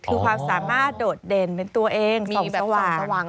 คือความสามารถโดดเด่นเป็นตัวเองมีสว่าง